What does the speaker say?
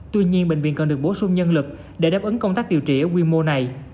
tuy nhiên bệnh viện cần được bổ sung nhân lực để đáp ứng công tác điều trị ở quy mô này